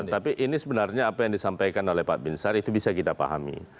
tapi ini sebenarnya apa yang disampaikan oleh pak bin sar itu bisa kita pahami